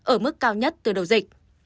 ở mức cao nhất từ đầu dịch